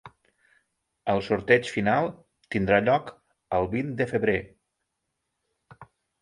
El sorteig final tindrà lloc el vint de febrer.